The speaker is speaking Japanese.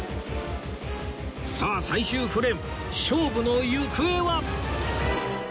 さあ最終フレーム勝負の行方は？